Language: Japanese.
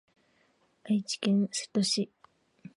愛知県瀬戸市